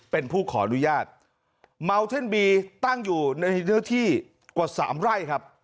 เป็นผู้ขออนุญาตเมาเท่นบีตั้งอยู่ในเนื้อที่กว่าสามไร่ครับ